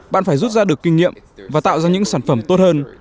bạn phải rút ra được kinh nghiệm và tạo ra những sản phẩm tốt hơn